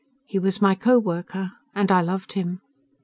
He was my co worker, and I loved him.